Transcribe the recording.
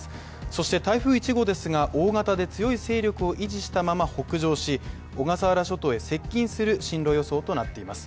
そして台風１号ですが、大型で強い勢力を維持したまま北上し小笠原諸島へ接近する進路予想となっています